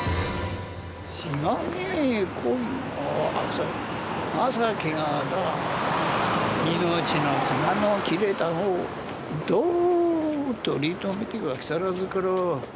「しがねえ恋の情けが仇命の綱の切れたのをどう取り留めてか木更津から」。